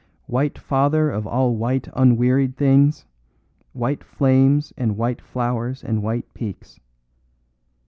White Father of all white unwearied things, white flames and white flowers and white peaks.